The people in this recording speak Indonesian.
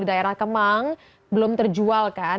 di daerah kemang belum terjual kan